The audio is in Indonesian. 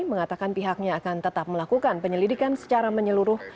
mengatakan pihaknya akan tetap melakukan penyelidikan secara menyeluruh